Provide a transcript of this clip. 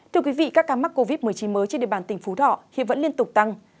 thưa quý vị các ca mắc covid một mươi chín mới trên địa bàn tỉnh phú thọ hiện vẫn liên tục tăng